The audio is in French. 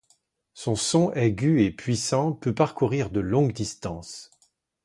Son son aigu et puissant peut parcourir de longues distances.